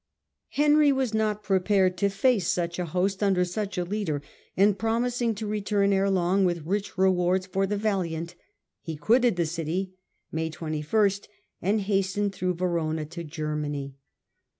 Henry was not prepared to face such a host under such a leader, and, promising to return ere long with rich rewards for the valiant,^e quitted the city, May 21, and hastened through Verona to Germany.